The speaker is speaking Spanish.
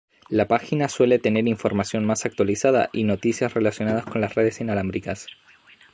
La página suele tener información más actualizada y noticias relacionadas con redes inalámbricas.